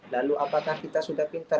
lalu apakah kita sudah pintar